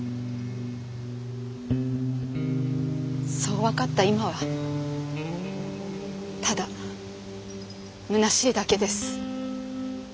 そう分かった今はただむなしいだけです。